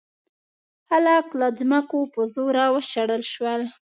خلک له ځمکو په زوره وشړل شول.